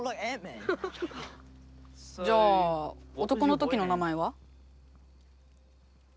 「じゃあ男のときの名前は？」。